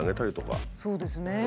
そうですね。